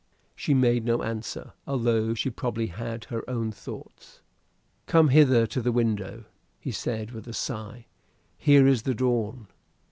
She made no answer, although she probably had her own thoughts. "Come hither to the window," he said with a sigh. "Here is the dawn."